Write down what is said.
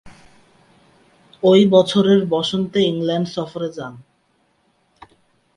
ঐ বছরের বসন্তে ইংল্যান্ড সফরে যান।